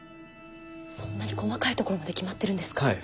そんなに細かいところまで決まってるんですか。